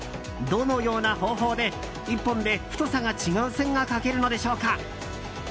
どのような方法で１本で太さが違う線が書けるのでしょうか。